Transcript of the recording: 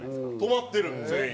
止まってる全員。